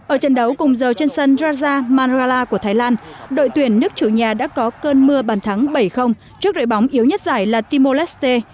ở trận đấu cùng giờ trên sân raja manrala của thái lan đội tuyển nước chủ nhà đã có cơn mưa bàn thắng bảy trước đội bóng yếu nhất giải là timor leste